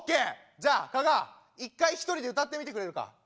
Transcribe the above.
じゃあ加賀１回一人で歌ってみてくれるか？